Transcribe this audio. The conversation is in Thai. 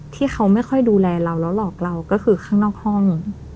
ที่เขาไม่ค่อยดูแลเราแล้วหลอกเราก็คือข้างนอกห้อง